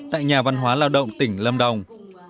tại nhà văn hóa lao động tỉnh lâm đồng